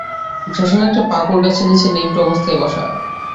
শ্মশানে একটা পাকুড় গাছের নিচে ন্যাংটো অবস্থায় বসা।